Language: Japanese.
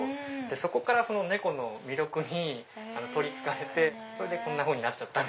そこから猫の魅力に取りつかれてこんなふうになっちゃった。